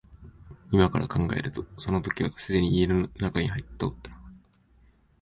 今から考えるとその時はすでに家の内に入っておったのだ